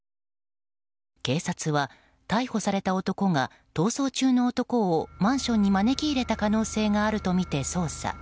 警察は逮捕された男が逃走中の男をマンションに招き入れた可能性があるとみて捜査。